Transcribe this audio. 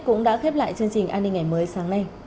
cũng đã khép lại chương trình an ninh ngày mới sáng nay